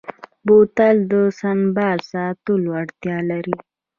بوتل د سنبال ساتلو اړتیا لري.